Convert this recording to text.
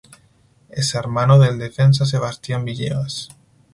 Es hermano del defensa Sebastian Villegas.